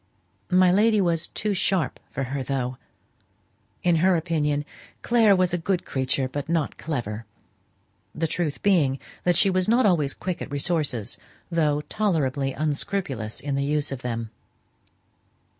My lady was too sharp for her, though. In her opinion "Clare was a good creature, but not clever," the truth being that she was not always quick at resources, though tolerably unscrupulous in the use of them.